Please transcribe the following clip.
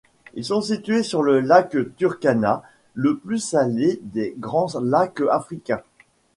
Ils sont situés sur le lac Turkana, le plus salé des grands lacs africains.